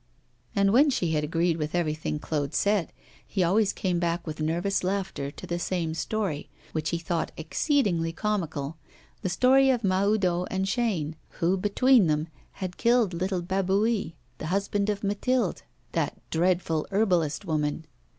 And when she had agreed with everything Claude said, he always came back with nervous laughter to the same story which he thought exceedingly comical the story of Mahoudeau and Chaîne, who, between them, had killed little Jabouille, the husband of Mathilde, that dreadful herbalist woman.